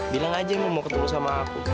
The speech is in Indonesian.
bilang aja kamu mau ketemu sama aku